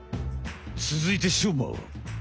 つづいてしょうまは。